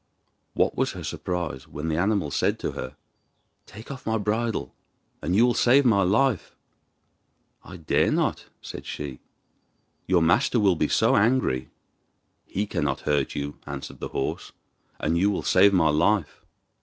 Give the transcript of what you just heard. What was her surprise when the animal said to her: 'Take off my bridle and you will save my life.' 'I dare not,' said she; 'your master will be so angry.' 'He cannot hurt you,' answered the horse, 'and you will save my life.